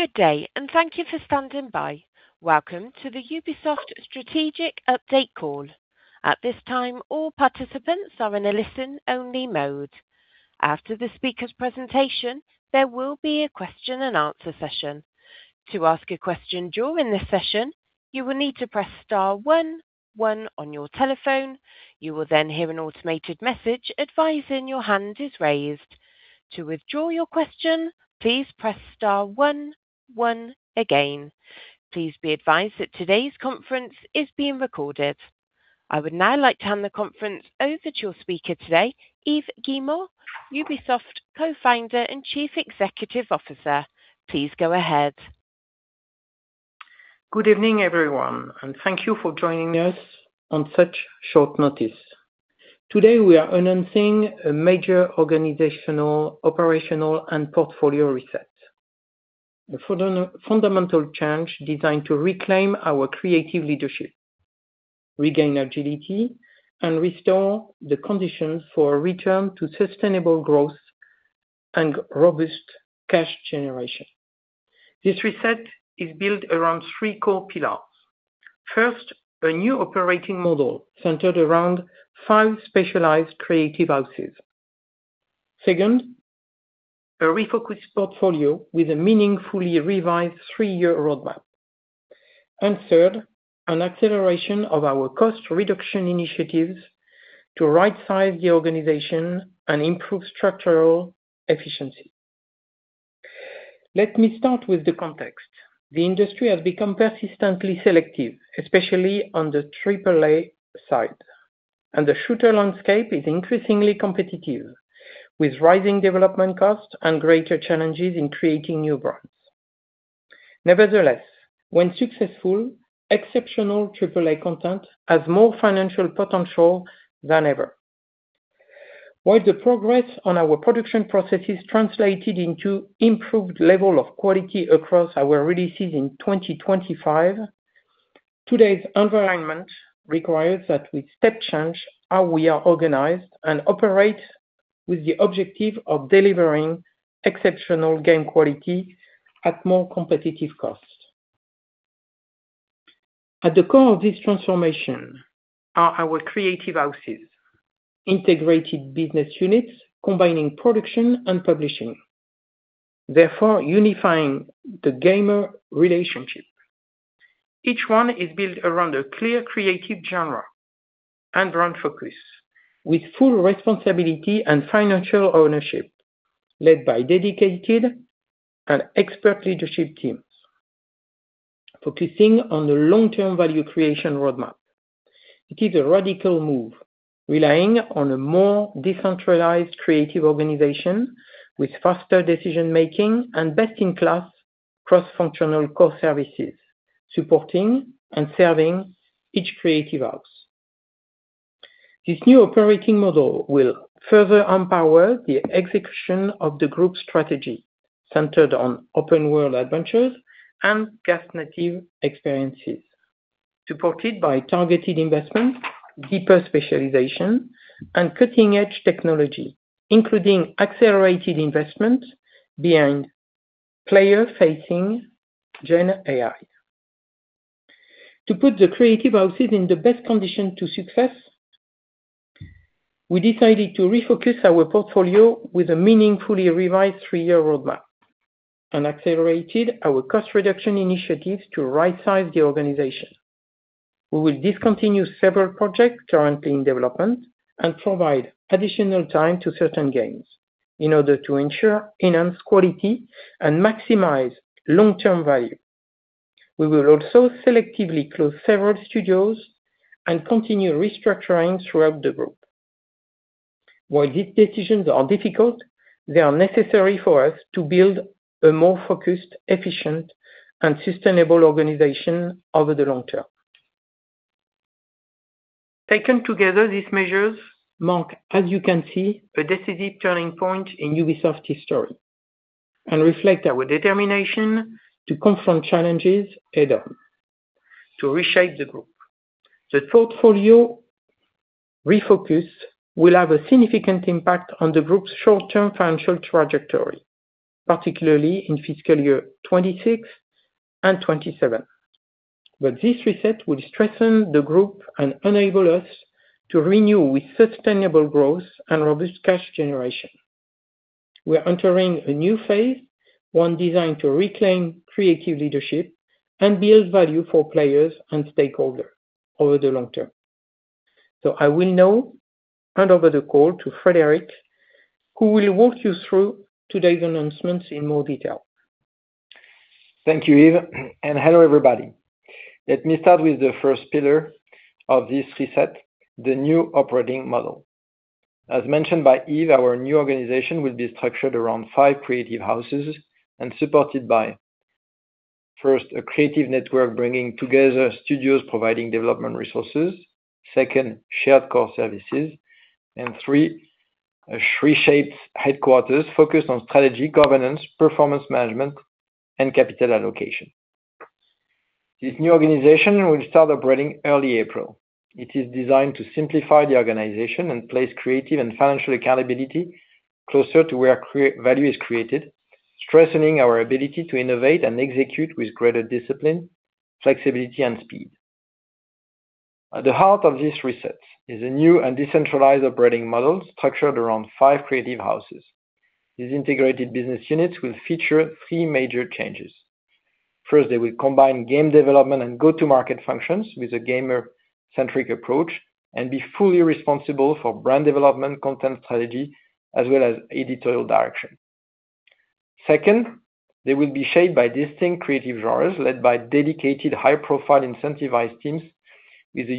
Good day, and thank you for standing by. Welcome to the Ubisoft Strategic Update Call. At this time, all participants are in a listen-only mode. After the speaker's presentation, there will be a question-and-answer session. To ask a question during this session, you will need to press star 1, 1 on your telephone. You will then hear an automated message advising your hand is raised. To withdraw your question, please press star 1, 1 again. Please be advised that today's conference is being recorded. I would now like to hand the conference over to your speaker today, Yves Guillemot, Ubisoft Co-founder and Chief Executive Officer. Please go ahead. Good evening, everyone, and thank you for joining us on such short notice. Today, we are announcing a major organizational, operational, and portfolio reset, a fundamental change designed to reclaim our creative leadership, regain agility, and restore the conditions for a return to sustainable growth and robust cash generation. This reset is built around three core pillars. First, a new operating model centered around five specialized creative houses. Second, a refocused portfolio with a meaningfully revised three-year roadmap. And third, an acceleration of our cost reduction initiatives to right-size the organization and improve structural efficiency. Let me start with the context. The industry has become persistently selective, especially on the AAA side, and the shooter landscape is increasingly competitive, with rising development costs and greater challenges in creating new brands. Nevertheless, when successful, exceptional AAA content has more financial potential than ever. While the progress on our production process is translated into improved levels of quality across our releases in 2025, today's environment requires that we step-change how we are organized and operate with the objective of delivering exceptional game quality at more competitive costs. At the core of this transformation are our Creative Houses, integrated business units combining production and publishing, therefore unifying the gamer relationship. Each one is built around a clear creative genre and brand focus, with full responsibility and financial ownership led by dedicated and expert leadership teams, focusing on the long-term value creation roadmap. It is a radical move, relying on a more decentralized creative organization with faster decision-making and best-in-class cross-functional core services supporting and serving each Creative House. This new operating model will further empower the execution of the group strategy centered on open-world adventures and guest-native experiences, supported by targeted investments, deeper specialization, and cutting-edge technology, including accelerated investment behind player-facing Gen AI. To put the creative houses in the best condition to success, we decided to refocus our portfolio with a meaningfully revised three-year roadmap and accelerated our cost reduction initiatives to right-size the organization. We will discontinue several projects currently in development and provide additional time to certain games in order to ensure enhanced quality and maximize long-term value. We will also selectively close several studios and continue restructuring throughout the group. While these decisions are difficult, they are necessary for us to build a more focused, efficient, and sustainable organization over the long term. Taken together, these measures mark, as you can see, a decisive turning point in Ubisoft's history and reflect our determination to confront challenges head-on, to reshape the group. The portfolio refocus will have a significant impact on the group's short-term financial trajectory, particularly in fiscal year 2026 and 2027. But this reset will strengthen the group and enable us to renew with sustainable growth and robust cash generation. We are entering a new phase, one designed to reclaim creative leadership and build value for players and stakeholders over the long term. So I will now hand over the call to Frederick, who will walk you through today's announcements in more detail. Thank you, Yves, and hello, everybody. Let me start with the first pillar of this reset, the new operating model. As mentioned by Yves, our new organization will be structured around five creative houses and supported by, first, a creative network bringing together studios providing development resources, second, shared core services, and three, a reshaped headquarters focused on strategy, governance, performance management, and capital allocation. This new organization will start operating early April. It is designed to simplify the organization and place creative and financial accountability closer to where value is created, strengthening our ability to innovate and execute with greater discipline, flexibility, and speed. At the heart of this reset is a new and decentralized operating model structured around five creative houses. These integrated business units will feature three major changes. First, they will combine game development and go-to-market functions with a gamer-centric approach and be fully responsible for brand development, content strategy, as well as editorial direction. Second, they will be shaped by distinct creative genres led by dedicated, high-profile, incentivized teams with a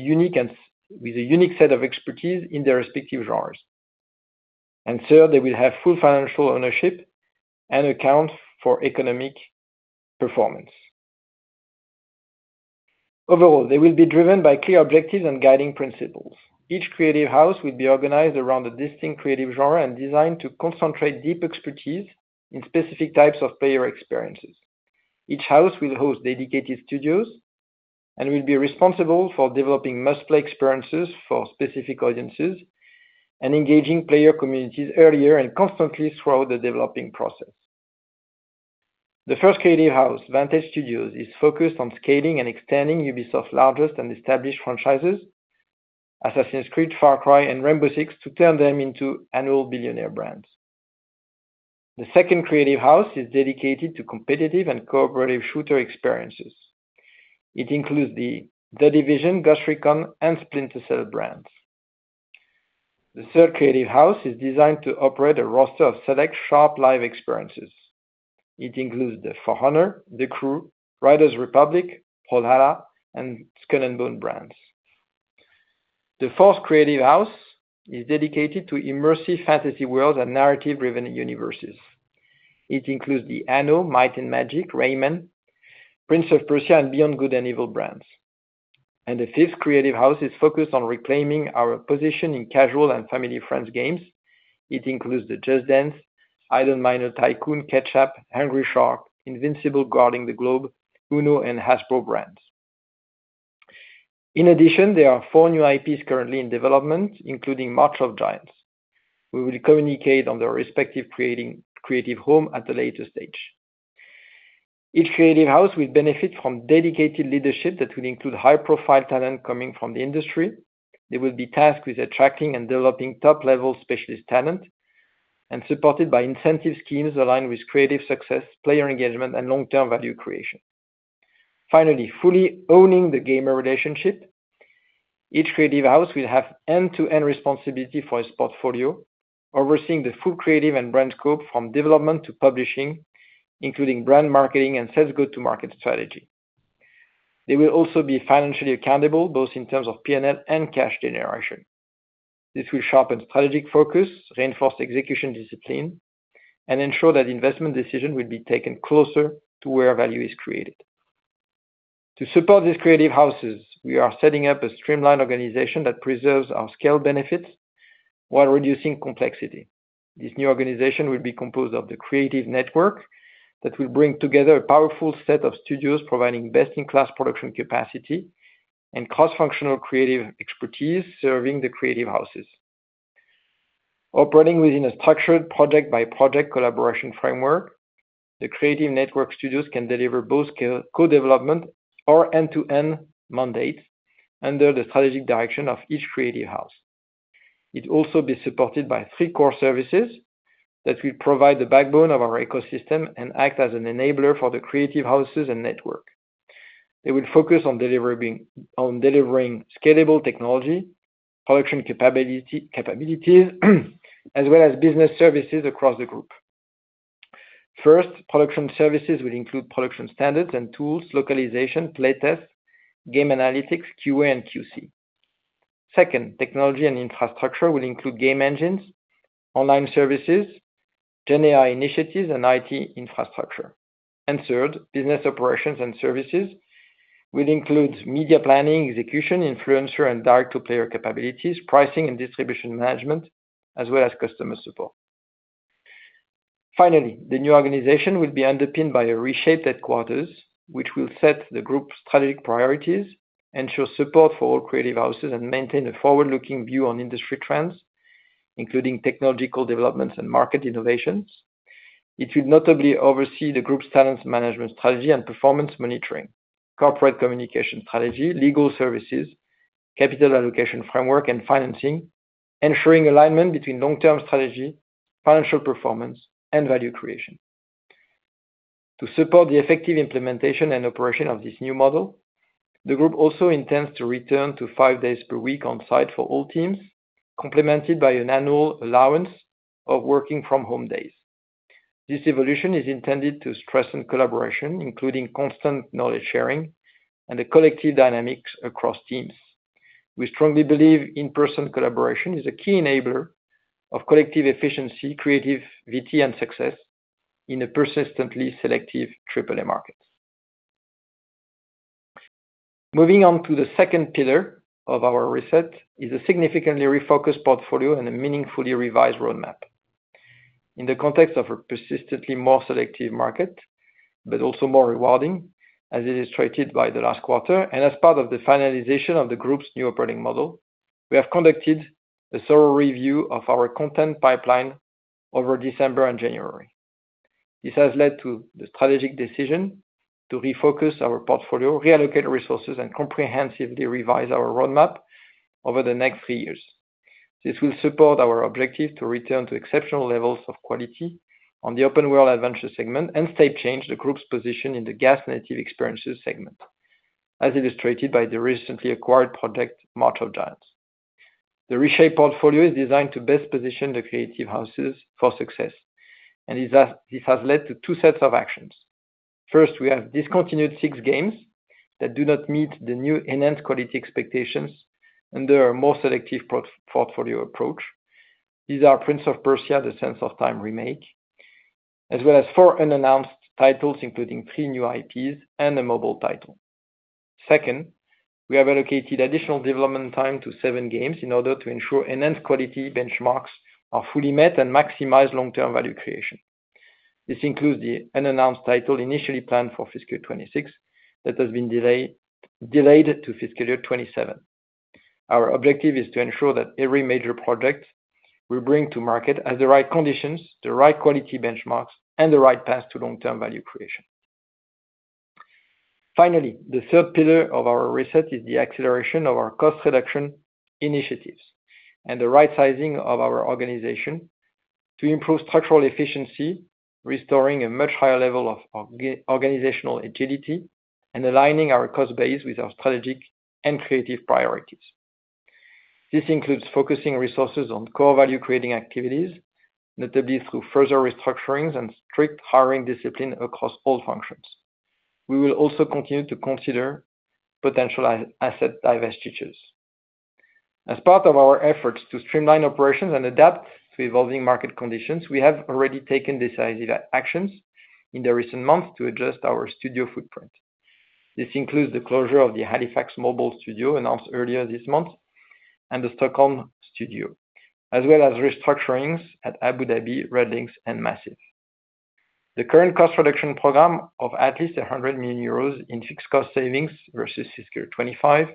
unique set of expertise in their respective genres. And third, they will have full financial ownership and account for economic performance. Overall, they will be driven by clear objectives and guiding principles. Each creative house will be organized around a distinct creative genre and designed to concentrate deep expertise in specific types of player experiences. Each house will host dedicated studios and will be responsible for developing must-play experiences for specific audiences and engaging player communities earlier and constantly throughout the developing process. The first creative house, Vantage Studios, is focused on scaling and extending Ubisoft's largest and established franchises, Assassin's Creed, Far Cry, and Rainbow Six, to turn them into annual billionaire brands. The second creative house is dedicated to competitive and cooperative shooter experiences. It includes The Division, Ghost Recon, and Splinter Cell brands. The third creative house is designed to operate a roster of select sharp live experiences. It includes For Honor, The Crew, Riders Republic, Brawlhalla, and Skull and Bones brands. The fourth creative house is dedicated to immersive fantasy worlds and narrative-driven universes. It includes Anno, Might and Magic, Rayman, Prince of Persia, and Beyond Good and Evil brands, and the fifth creative house is focused on reclaiming our position in casual and family-friendly games. It includes Just Dance, Idle Miner Tycoon, Ketchapp, Hungry Shark, Invincible: Guarding the Globe, Uno, and Hasbro brands. In addition, there are four new IPs currently in development, including March of Giants. We will communicate on their respective Creative House at a later stage. Each Creative House will benefit from dedicated leadership that will include high-profile talent coming from the industry. They will be tasked with attracting and developing top-level specialist talent and supported by incentive schemes aligned with creative success, player engagement, and long-term value creation. Finally, fully owning the gamer relationship, each Creative House will have end-to-end responsibility for its portfolio, overseeing the full creative and brand scope from development to publishing, including brand marketing and sales go-to-market strategy. They will also be financially accountable, both in terms of P&L and cash generation. This will sharpen strategic focus, reinforce execution discipline, and ensure that investment decisions will be taken closer to where value is created. To support these creative houses, we are setting up a streamlined organization that preserves our scale benefits while reducing complexity. This new organization will be composed of the creative network that will bring together a powerful set of studios providing best-in-class production capacity and cross-functional creative expertise serving the creative houses. Operating within a structured project-by-project collaboration framework, the creative network studios can deliver both co-development or end-to-end mandates under the strategic direction of each creative house. It will also be supported by three core services that will provide the backbone of our ecosystem and act as an enabler for the creative houses and network. They will focus on delivering scalable technology, production capabilities, as well as business services across the group. First, production services will include production standards and tools, localization, playtest, game analytics, QA, and QC. Second, technology and infrastructure will include game engines, online services, Gen AI initiatives, and IT infrastructure. Third, business operations and services will include media planning, execution, influencer, and direct-to-player capabilities, pricing and distribution management, as well as customer support. Finally, the new organization will be underpinned by a reshaped headquarters, which will set the group's strategic priorities, ensure support for all creative houses, and maintain a forward-looking view on industry trends, including technological developments and market innovations. It will notably oversee the group's talent management strategy and performance monitoring, corporate communication strategy, legal services, capital allocation framework, and financing, ensuring alignment between long-term strategy, financial performance, and value creation. To support the effective implementation and operation of this new model, the group also intends to return to five days per week on-site for all teams, complemented by an annual allowance of working-from-home days. This evolution is intended to strengthen collaboration, including constant knowledge sharing and the collective dynamics across teams. We strongly believe in-person collaboration is a key enabler of collective efficiency, creativity, and success in a persistently selective AAA market. Moving on to the second pillar of our reset is a significantly refocused portfolio and a meaningfully revised roadmap. In the context of a persistently more selective market, but also more rewarding, as illustrated by the last quarter and as part of the finalization of the group's new operating model, we have conducted a thorough review of our content pipeline over December and January. This has led to the strategic decision to refocus our portfolio, reallocate resources, and comprehensively revise our roadmap over the next three years. This will support our objective to return to exceptional levels of quality on the open-world adventure segment and strengthen the group's position in the next-gen experiences segment, as illustrated by the recently acquired project March of Giants. The reshaped portfolio is designed to best position the creative houses for success, and this has led to two sets of actions. First, we have discontinued six games that do not meet the new enhanced quality expectations under a more selective portfolio approach. These are Prince of Persia: The Sands of Time Remake, as well as four unannounced titles, including three new IPs and a mobile title. Second, we have allocated additional development time to seven games in order to ensure enhanced quality benchmarks are fully met and maximize long-term value creation. This includes the unannounced title initially planned for fiscal year 2026 that has been delayed to fiscal year 2027. Our objective is to ensure that every major project we bring to market has the right conditions, the right quality benchmarks, and the right path to long-term value creation. Finally, the third pillar of our reset is the acceleration of our cost reduction initiatives and the right-sizing of our organization to improve structural efficiency, restoring a much higher level of organizational agility, and aligning our cost base with our strategic and creative priorities. This includes focusing resources on core value-creating activities, notably through further restructurings and strict hiring discipline across all functions. We will also continue to consider potential asset diversifications. As part of our efforts to streamline operations and adapt to evolving market conditions, we have already taken decisive actions in the recent months to adjust our studio footprint. This includes the closure of the Halifax Mobile Studio announced earlier this month and the Stockholm Studio, as well as restructurings at Abu Dhabi, RedLynx, and Massive. The current cost reduction program of at least €100 million in fixed cost savings versus fiscal year 2025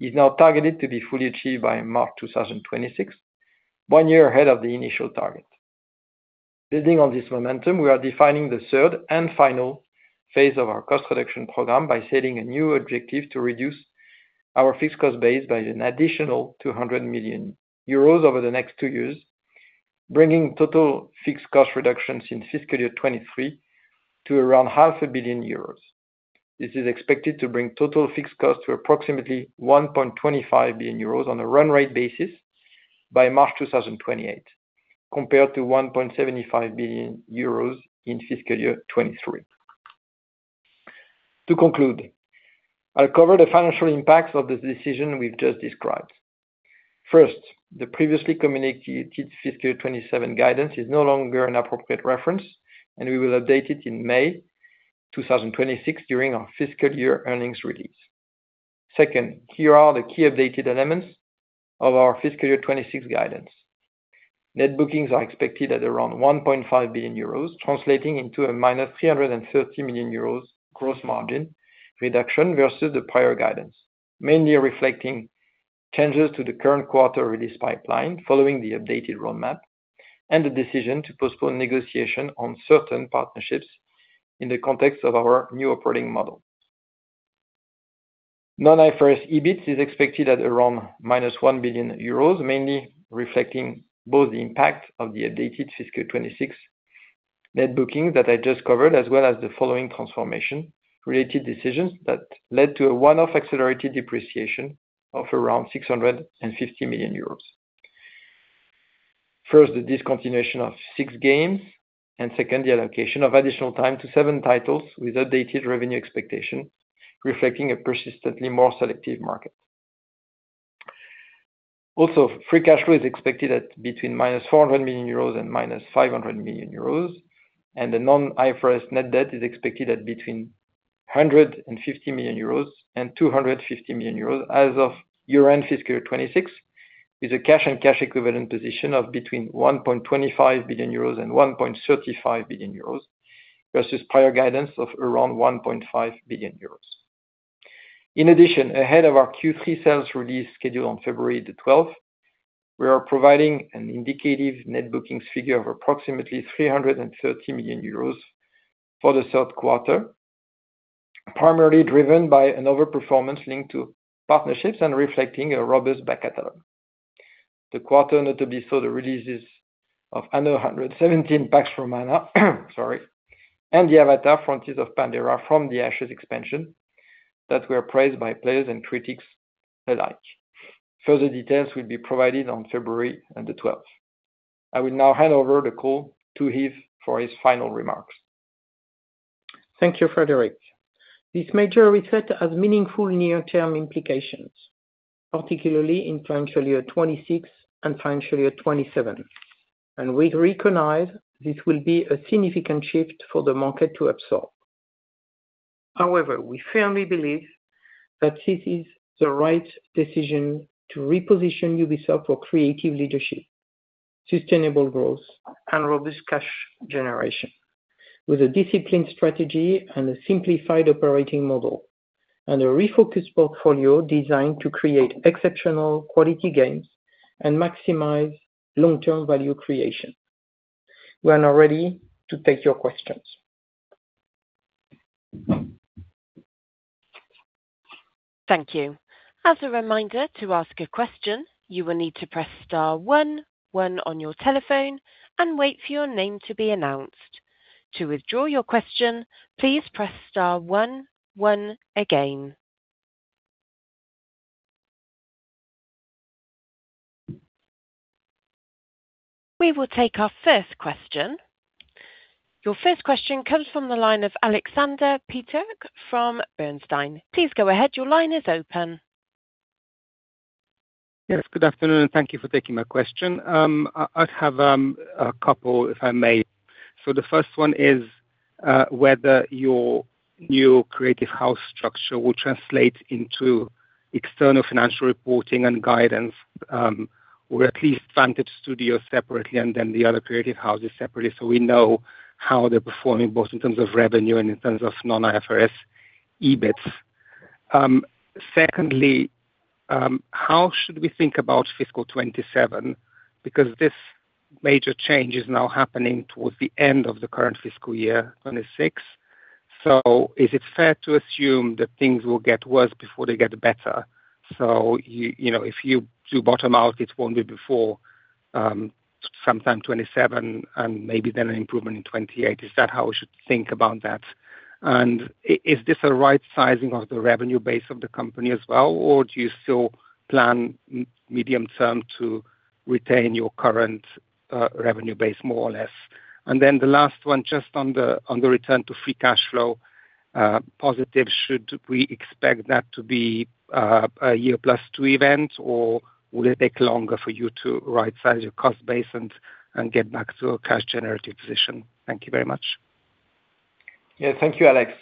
is now targeted to be fully achieved by March 2026, one year ahead of the initial target. Building on this momentum, we are defining the third and final phase of our cost reduction program by setting a new objective to reduce our fixed cost base by an additional €200 million over the next two years, bringing total fixed cost reductions in fiscal year 2023 to around €500 million. This is expected to bring total fixed costs to approximately €1.25 billion on a run-rate basis by March 2028, compared to €1.75 billion in fiscal year 2023. To conclude, I'll cover the financial impacts of this decision we've just described. First, the previously communicated fiscal year '27 guidance is no longer an appropriate reference, and we will update it in May 2026 during our fiscal year earnings release. Second, here are the key updated elements of our fiscal year '26 guidance. Net bookings are expected at around € 1.5 billion, translating into a minus € 330 million gross margin reduction versus the prior guidance, mainly reflecting changes to the current quarter release pipeline following the updated roadmap and the decision to postpone negotiation on certain partnerships in the context of our new operating model. Non-IFRS EBIT is expected at around € 1 billion, mainly reflecting both the impact of the updated fiscal year '26 net bookings that I just covered, as well as the following transformation-related decisions that led to a one-off accelerated depreciation of around € 650 million. First, the discontinuation of six games, and second, the allocation of additional time to seven titles with updated revenue expectations, reflecting a persistently more selective market. Also, free cash flow is expected at between € 400 million and € 500 million, and the non-IFRS net debt is expected at between € 150 million and € 250 million as of year-end fiscal year 2026, with a cash and cash equivalent position of between € 1.25 billion and € 1.35 billion versus prior guidance of around € 1.5 billion. In addition, ahead of our Q3 sales release scheduled on February the 12th, we are providing an indicative net bookings figure of approximately € 330 million for the third quarter, primarily driven by an overperformance linked to partnerships and reflecting a robust back catalog. The quarter notably saw the releases of Anno 117: Pax Romana, sorry, and the Avatar: Frontiers of Pandora from the Ashes expansion that were praised by players and critics alike. Further details will be provided on February the 12th. I will now hand over the call to Yves for his final remarks. Thank you, Frédérick. This major reset has meaningful near-term implications, particularly in financial year 2026 and financial year 2027, and we recognize this will be a significant shift for the market to absorb. However, we firmly believe that this is the right decision to reposition Ubisoft for creative leadership, sustainable growth, and robust cash generation, with a disciplined strategy and a simplified operating model, and a refocused portfolio designed to create exceptional quality games and maximize long-term value creation. We are now ready to take your questions. Thank you. As a reminder, to ask a question, you will need to press star 1, 1 on your telephone, and wait for your name to be announced. To withdraw your question, please press star 1, 1 again. We will take our first question. Your first question comes from the line of Alexander Peterc from Bernstein. Please go ahead. Your line is open. Yes, good afternoon, and thank you for taking my question. I have a couple, if I may. So the first one is whether your new creative house structure will translate into external financial reporting and guidance, or at least Vantage Studios separately and then the other creative houses separately, so we know how they're performing both in terms of revenue and in terms of non-IFRS EBIT. Secondly, how should we think about fiscal 2027? Because this major change is now happening towards the end of the current fiscal year 2026. So is it fair to assume that things will get worse before they get better? So if you do bottom-out, it won't be before sometime 2027 and maybe then an improvement in 2028. Is that how we should think about that? And is this a right-sizing of the revenue base of the company as well, or do you still plan medium-term to retain your current revenue base more or less? And then the last one, just on the return to free cash flow, positive, should we expect that to be a year-plus-2 event, or will it take longer for you to right-size your cost base and get back to a cash-generative position? Thank you very much. Yeah, thank you, Alex.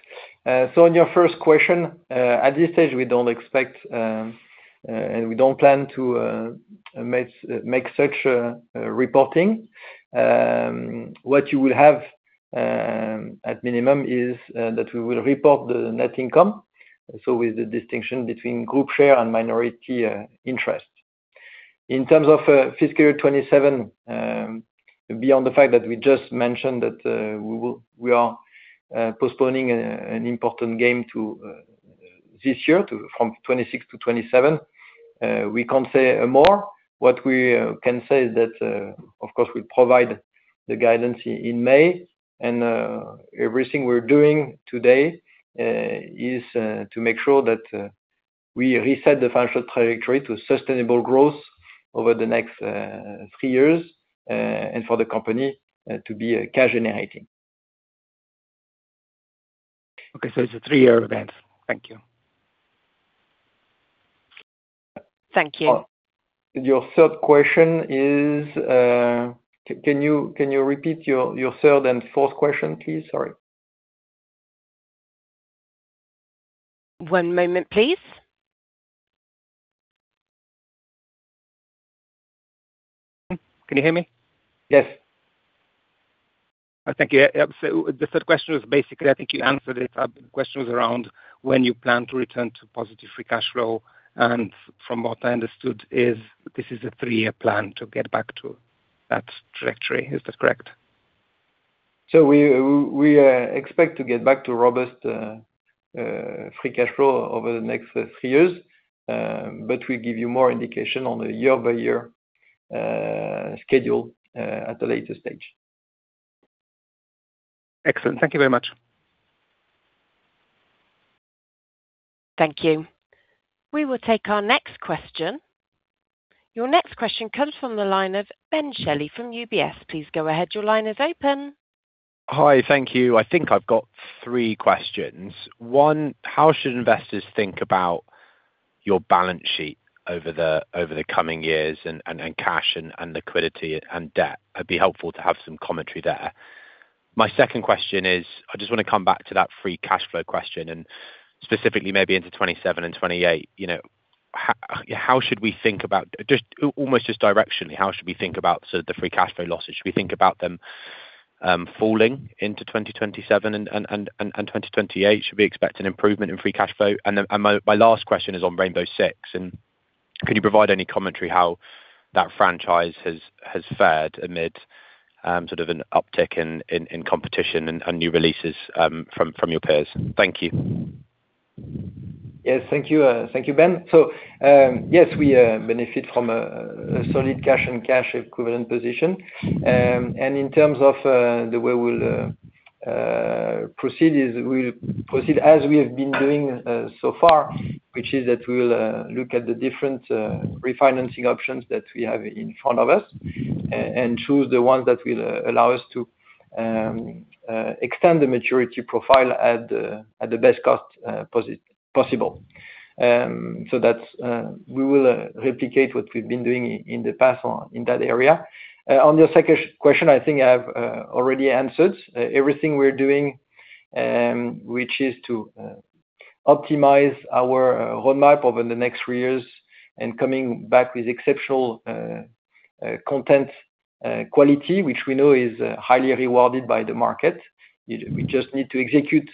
On your first question, at this stage, we don't expect and we don't plan to make such reporting. What you will have at minimum is that we will report the net income, so with the distinction between group share and minority interest. In terms of fiscal year 2027, beyond the fact that we just mentioned that we are postponing an important game this year from 2026 to 2027, we can't say more. What we can say is that, of course, we'll provide the guidance in May. And everything we're doing today is to make sure that we reset the financial trajectory to sustainable growth over the next three years and for the company to be cash-generating. Okay, so it's a three-year event. Thank you. Thank you. Your third question is, can you repeat your third and fourth question, please? Sorry. One moment, please. Can you hear me? Yes. Thank you. The third question was basically I think you answered it. The question was around when you plan to return to positive free cash flow. And from what I understood, this is a three-year plan to get back to that trajectory. Is that correct? So we expect to get back to robust free cash flow over the next three years, but we'll give you more indication on a year-by-year schedule at a later stage. Excellent. Thank you very much. Thank you. We will take our next question. Your next question comes from the line of Ben Shelley from UBS. Please go ahead. Your line is open. Hi, thank you. I think I've got three questions. One, how should investors think about your balance sheet over the coming years and cash and liquidity and debt? It'd be helpful to have some commentary there. My second question is, I just want to come back to that free cash flow question, and specifically maybe into 2027 and 2028. How should we think about, almost just directionally, how should we think about the free cash flow losses? Should we think about them falling into 2027 and 2028? Should we expect an improvement in free cash flow? And my last question is on Rainbow Six. And can you provide any commentary on how that franchise has fared amid sort of an uptick in competition and new releases from your peers? Thank you. Yes, thank you, Ben. So yes, we benefit from a solid cash and cash equivalent position. In terms of the way we'll proceed, we'll proceed as we have been doing so far, which is that we'll look at the different refinancing options that we have in front of us and choose the ones that will allow us to extend the maturity profile at the best cost possible. We will replicate what we've been doing in the past in that area. On your second question, I think I've already answered everything we're doing, which is to optimize our roadmap over the next three years and coming back with exceptional content quality, which we know is highly rewarded by the market. We just need to execute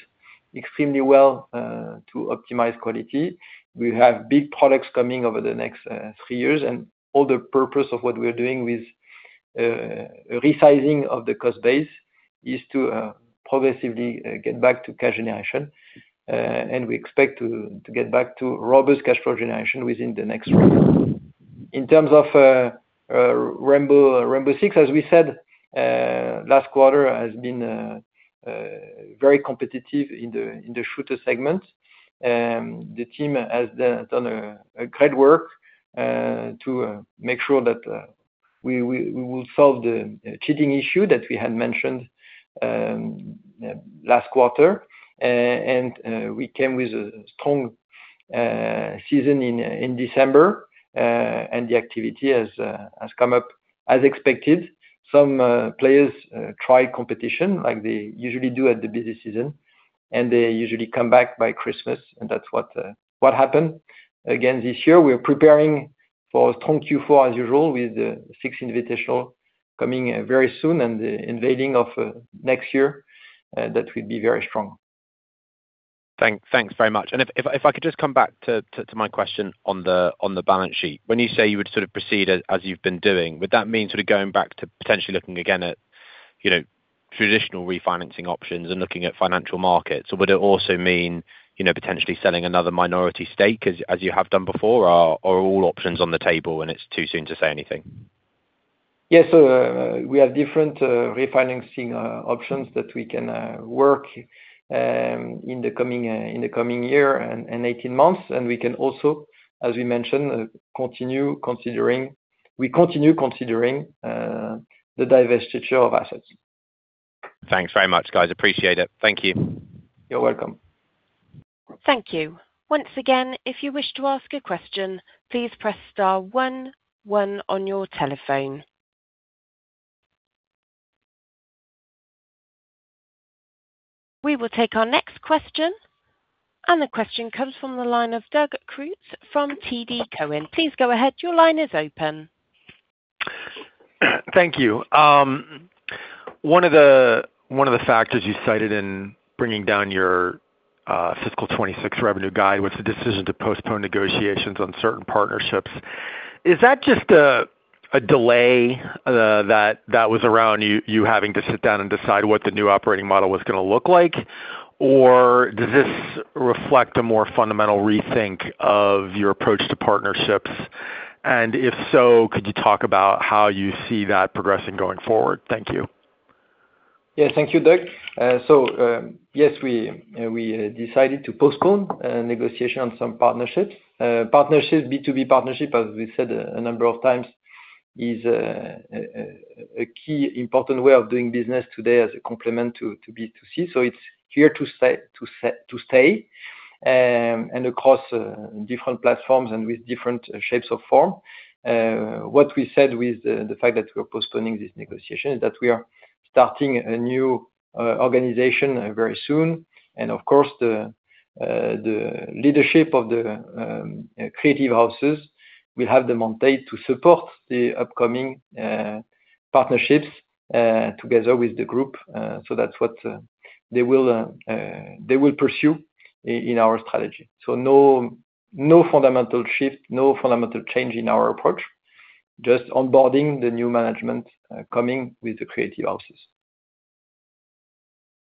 extremely well to optimize quality. We have big products coming over the next three years. All the purpose of what we're doing with resizing of the cost base is to progressively get back to cash generation. We expect to get back to robust cash flow generation within the next three years. In terms of Rainbow Six, as we said, last quarter has been very competitive in the shooter segment. The team has done great work to make sure that we will solve the cheating issue that we had mentioned last quarter. We came with a strong season in December, and the activity has come up as expected. Some players try competition like they usually do at the busy season, and they usually come back by Christmas. That's what happened. Again, this year, we're preparing for a strong Q4 as usual with the Six Invitational coming very soon and the Invasion of next year that will be very strong. Thanks very much. If I could just come back to my question on the balance sheet, when you say you would sort of proceed as you've been doing, would that mean sort of going back to potentially looking again at traditional refinancing options and looking at financial markets? Or would it also mean potentially selling another minority stake as you have done before, or are all options on the table and it's too soon to say anything? Yes, so we have different refinancing options that we can work in the coming year and 18 months. We can also, as we mentioned, continue considering the divestiture of assets. Thanks very much, guys. Appreciate it. Thank you. You're welcome. Thank you. Once again, if you wish to ask a question, please press star one, one on your telephone. We will take our next question. The question comes from the line of Doug Creutz from TD Cowen. Please go ahead. Your line is open. Thank you. One of the factors you cited in bringing down your fiscal 26 revenue guide was the decision to postpone negotiations on certain partnerships. Is that just a delay that was around you having to sit down and decide what the new operating model was going to look like, or does this reflect a more fundamental rethink of your approach to partnerships? And if so, could you talk about how you see that progressing going forward? Thank you. Yeah, thank you, Doug. So yes, we decided to postpone negotiation on some partnerships. B2B partnership, as we said a number of times, is a key important way of doing business today as a complement to B2C. So it's here to stay and across different platforms and with different shapes of form. What we said with the fact that we're postponing this negotiation is that we are starting a new organization very soon. And of course, the leadership of the creative houses will have the mandate to support the upcoming partnerships together with the group. So that's what they will pursue in our strategy. So no fundamental shift, no fundamental change in our approach, just onboarding the new management coming with the creative houses.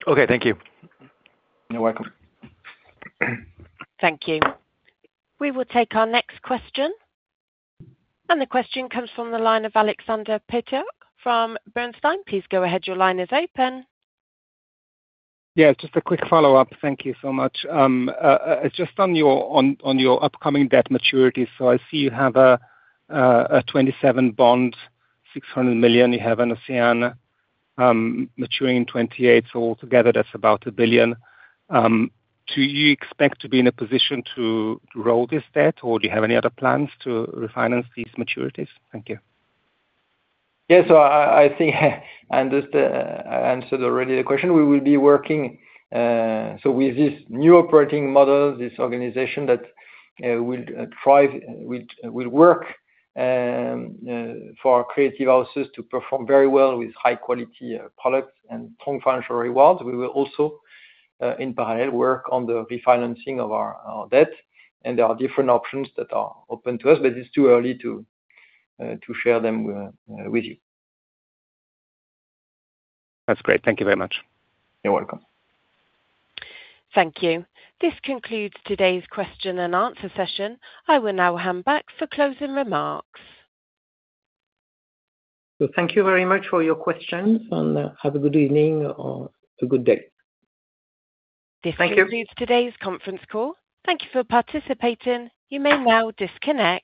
Okay, thank you. You're welcome. Thank you. We will take our next question. And the question comes from the line of Alexander Peterc from Bernstein. Please go ahead. Your line is open. Yeah, just a quick follow-up. Thank you so much. Just on your upcoming debt maturities, so I see you have a 2027 bond, 600 million. You have an OCEANE maturing in 2028. So altogether, that's about €1 billion. Do you expect to be in a position to roll this debt, or do you have any other plans to refinance these maturities? Thank you. Yeah, so I think I answered already the question. We will be working. So with this new operating model, this organization that will work for creative houses to perform very well with high-quality products and strong financial rewards, we will also, in parallel, work on the refinancing of our debt. And there are different options that are open to us, but it's too early to share them with you. That's great. Thank you very much. You're welcome. Thank you. This concludes today's question and answer session. I will now hand back for closing remarks. So thank you very much for your questions, and have a good evening or a good day. Thank you. This concludes today's conference call. Thank you for participating. You may now disconnect.